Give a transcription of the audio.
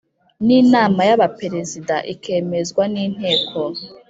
n Inama y Abaperezida ikemezwa n Inteko